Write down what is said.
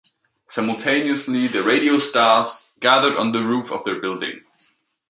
Simultaneously the radio stars gathered on the roof of their building.